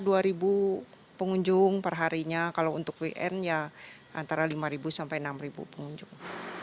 jadi itu pengunjung perharinya kalau untuk wn ya antara lima sampai enam pengunjung